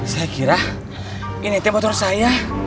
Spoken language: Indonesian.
saya kira ini tempat motor saya